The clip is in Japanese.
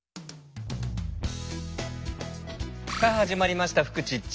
さあ始まりました「フクチッチ」。